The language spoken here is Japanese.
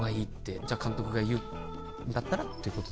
じゃあ監督が言うんだったらっていうことで。